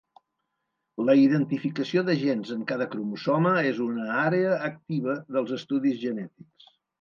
La identificació de gens en cada cromosoma és una àrea activa dels estudis genètics.